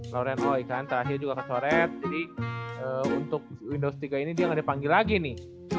lauren ooi kan terakhir juga kecoret jadi untuk windows tiga ini dia gak dipanggil lagi nih